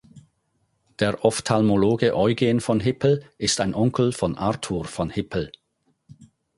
Der Ophthalmologe Eugen von Hippel ist ein Onkel von Arthur von Hippel.